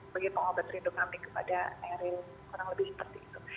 bagi pengobat rindu kami kepada emeril kurang lebih seperti itu